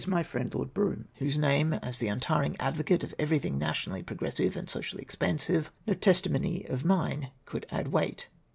my friend Lord Brougham, to Avhose name, as the untiring advocate of everything nationally pi'i^gressive and socially expansive, no testi mony of mine coidd add Aveight.